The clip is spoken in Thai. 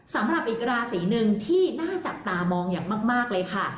สำหรับอีกราศีหนึ่งที่น่าจับตามองอย่างมากเลยค่ะ